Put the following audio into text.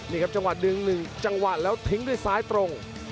นี่ครับจังหวะดึง๑จังหวะแล้วทิ้งด้วยซ้ายตรง